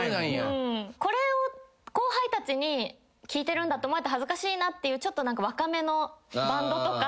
これを後輩たちに「聞いてるんだ」って思われたら恥ずかしいなっていうちょっと若めのバンドとか。